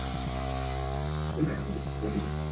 阿班旦杜很早就加入了杀人有限公司。